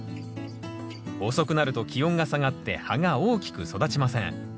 遅くなると気温が下がって葉が大きく育ちません。